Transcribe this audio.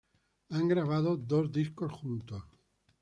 Han grabado dos discos juntos.